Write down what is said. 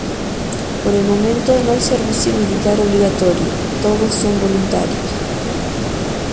Por el momento no hay servicio militar obligatorio, todos son voluntarios.